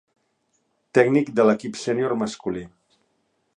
Tècnic de l'equip sènior masculí.